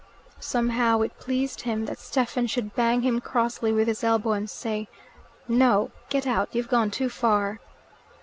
Somehow it pleased him that Stephen should bang him crossly with his elbow and say, "No. Get out. You've gone too far."